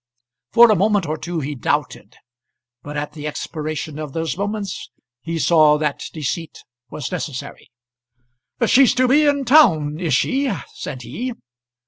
For a moment or two he doubted; but at the expiration of those moments he saw that the deceit was necessary. "She's to be in town, is she?" said he.